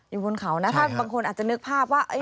อยู่บนเขานะถ้าบางคนอาจจะนึกภาพว่า